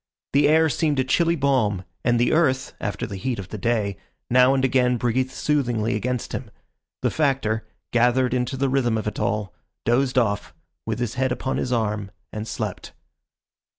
The air seemed a chilly balm, and the earth, after the heat of the day, now and again breathed soothingly against him. The Factor, gathered into the rhythm of it all, dozed off, with his head upon his arm, and slept.